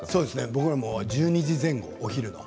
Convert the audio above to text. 僕らは１２時前後お昼の。